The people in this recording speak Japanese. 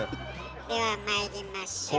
ではまいりましょう。